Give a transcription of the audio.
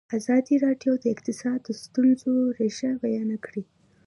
ازادي راډیو د اقتصاد د ستونزو رېښه بیان کړې.